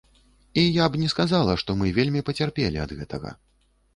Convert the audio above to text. І я б не сказала, што мы вельмі пацярпелі ад гэтага.